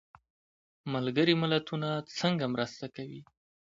ملګري ملتونه څنګه مرسته کوي؟